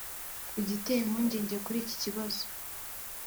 Igiteye impungenge kuri iki kibazo